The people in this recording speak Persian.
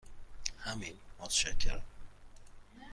همین، متشکرم.